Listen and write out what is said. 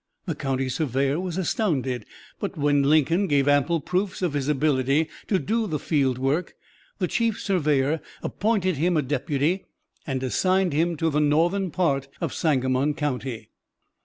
The county surveyor was astounded, but when Lincoln gave ample proofs of his ability to do field work, the chief surveyor appointed him a deputy and assigned him to the northern part of Sangamon County.